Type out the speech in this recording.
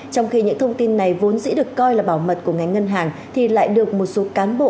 trong khi những thông tin này vốn dĩ được coi là bảo mật của ngành ngân hàng thì lại được một số cán bộ